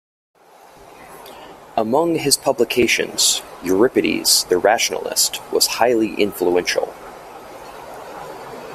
Among his publications, "Euripides the Rationalist" was highly influential.